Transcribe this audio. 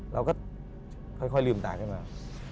เราก็ค่อยลืมตาขึ้นมา